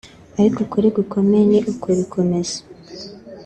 Ariko ukuri gukomeye ni ukubikomeza